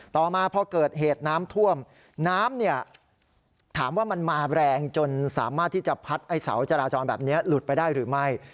ต่อมาพอเกิดเหตุน้ำท่วมน้ำเนี่ยถามว่ามันมาแรงจนสามารถที่จะพัดไอ้เสาจราจรแบบนี้หลุดไปได้หรือไม่